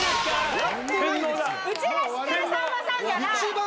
うちが知ってるさんまさんじゃない。